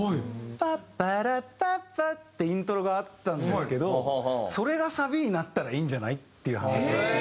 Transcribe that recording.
「パッパラパッパ」ってイントロがあったんですけどそれがサビになったらいいんじゃない？っていう話を。